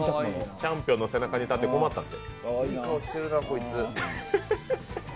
チャンピオンの背中に立って、困ったって。